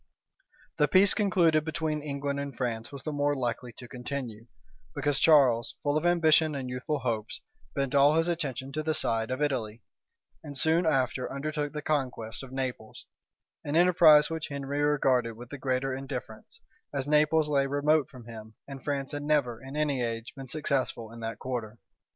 * Bacon, p. 605. Polyd Virg. p. 586. The peace concluded between England and France was the more likely to continue, because Charles, full of ambition and youthful hopes, bent all his attention to the side of Italy, and soon after undertook the conquest of Naples; an enterprise which Henry regarded with the greater indifference, as Naples lay remote from him, and France had never, in any age, been successful in that quarter.